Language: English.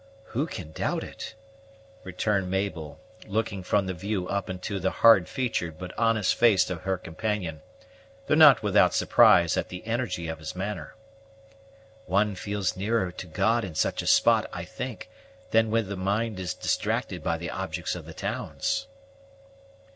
"Who can doubt it?" returned Mabel, looking from the view up into the hard featured but honest face of her companion, though not without surprise at the energy of his manner. "One feels nearer to God in such a spot, I think, than when the mind is distracted by the objects of the towns."